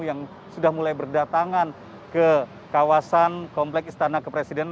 yang sudah mulai berdatangan ke kawasan komplek istana kepresidenan